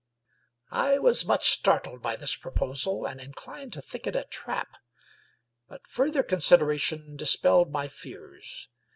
I was much startled by this proposal, and inclined to think it a trap ; but further consideration dispelled my fears.